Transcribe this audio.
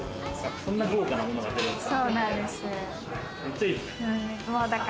そんな豪華なものが出るんですか？